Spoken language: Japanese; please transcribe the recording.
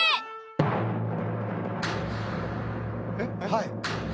はい。